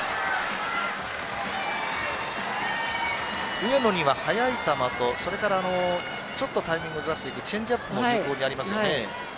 上野には速い球とそれからちょっとタイミングをずらしていくチェンジアップもありますよね。